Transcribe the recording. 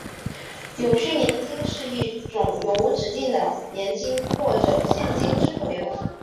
永续年金是一种永无止境的年金或者现金支付流。